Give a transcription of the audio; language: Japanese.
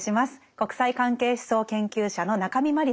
国際関係思想研究者の中見真理さんです。